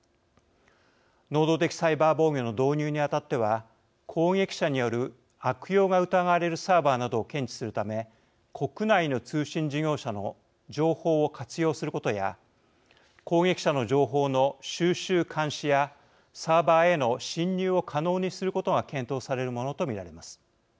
能動的サイバー防御の導入にあたっては攻撃者による悪用が疑われるサーバーなどを検知するため国内の通信事業者の情報を活用することや攻撃者の情報の収集、監視やサーバーへの侵入を可能にすることが検討されるものと見られます。